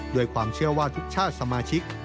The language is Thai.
ด้วยความเชื่อว่าทุกชาติสมาชิก